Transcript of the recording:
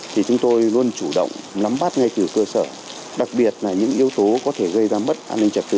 thì chúng tôi luôn chủ động nắm bắt ngay từ cơ sở đặc biệt là những yếu tố có thể gây ra mất an ninh trật tự